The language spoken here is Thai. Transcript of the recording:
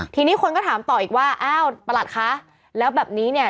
ทีนี้คนก็ถามต่ออีกว่าอ้าวประหลัดคะแล้วแบบนี้เนี่ย